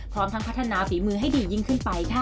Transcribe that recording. พร้อมทั้งพัฒนาฝีมือให้ดียิ่งขึ้นไปค่ะ